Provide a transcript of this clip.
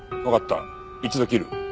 一度切る。